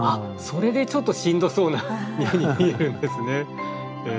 それでちょっとしんどそうなふうに見えるんですね。